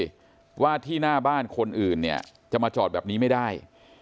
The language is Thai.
เพราะว่าที่หน้าบ้านคนอื่นเนี่ยจะมาจอดแบบนี้ไม่ได้